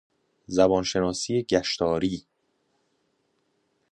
زبان شناسی گشتاری